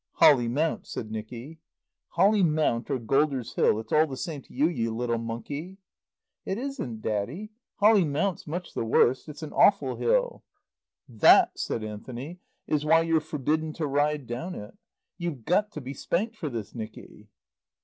"Holly Mount," said Nicky. "Holly Mount or Golders Hill, it's all the same to you, you young monkey." "It isn't, Daddy. Holly Mount's much the worst. It's an awful hill." "That," said Anthony, "is why you're forbidden to ride down it. You've got to be spanked for this, Nicky."